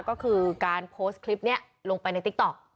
ก็คือการโพสต์คลิปนี้ลงไปในติ๊กต๊อก